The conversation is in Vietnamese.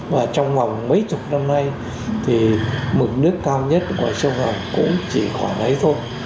và trong vòng mấy chục năm nay thì mực nước cao nhất ngoài sông hồng cũng chỉ khoảng đấy thôi